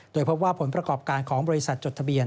โดยพบว่าผลประกอบการของบริษัทจดทะเบียน